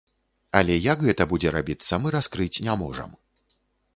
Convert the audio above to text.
Але як гэта будзе рабіцца, мы раскрыць не можам.